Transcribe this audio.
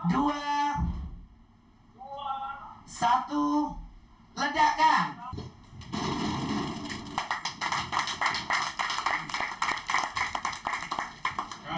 dua dua satu ledakan